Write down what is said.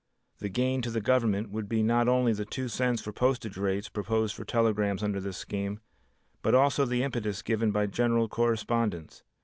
The gain to the Government would be not only the 2 cents for postage rates proposed for telegrams under this scheme but also the impetus given by general correspondence.